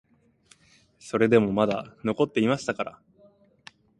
それでもまだ残っていましたから、